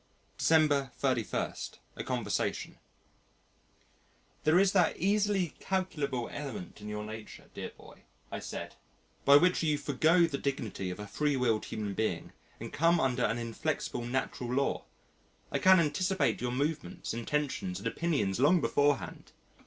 December 31. A Conversation "There is that easily calculable element in your nature, dear boy," I said, "by which you forego the dignity of a free willed human being and come under an inflexible natural law. I can anticipate your movements, intentions, and opinions long beforehand.